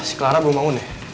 si clara belum bangun ya